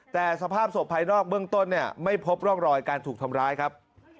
แต่สภาพศพภายนอกเบื้องต้นเนี่ยไม่พบร่องรอยการถูกทำร้ายครับ